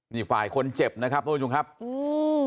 นี่ฝ่ายคนเจ็บนะครับทุกผู้ชมครับอืม